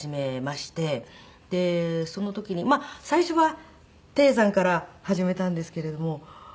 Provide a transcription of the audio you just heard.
でその時に最初は低山から始めたんですけれども。